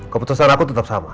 keputusan aku tetap sama